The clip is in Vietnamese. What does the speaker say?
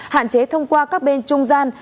hạn chế thông qua các bên trung gian